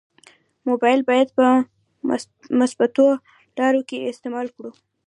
مبایل باید په مثبتو لارو کې استعمال کړو.